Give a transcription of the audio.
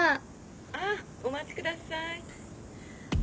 あっお待ちください。